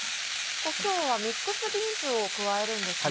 今日はミックスビーンズを加えるんですね。